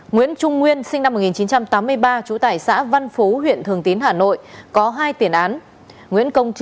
nguyễn trung nguyên sinh năm một nghìn chín trăm tám mươi ba trú tại xã văn phú huyện thường tín hà nội có hai tiền án